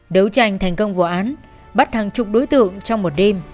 đấu tranh thành công vụ án bắt hàng chục đối tượng trong một đêm